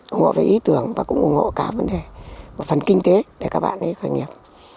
ủng hộ về ý tưởng và cũng ủng hộ cả vấn đề và phần kinh tế để các bạn ý khởi nghiệp